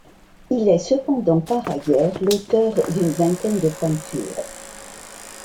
Il est cependant par ailleurs l'auteur d'une vingtaine de peintures.